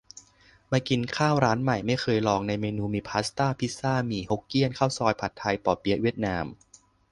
มากินข้าวร้านใหม่ ไม่เคยลอง ในเมนูมี พาสต้า พิซซ่า หมี่ฮกเกี้ยน ข้าวซอย ผัดไทย ปอเปี๊ยะเวียดนาม